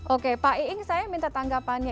oke pak iing saya minta tanggapannya